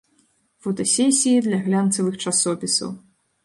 Фотасесіі для глянцавых часопісаў.